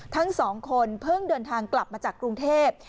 ทั้งสองคนเพิ่งเดินทางกลับมาจากกรุงเทพ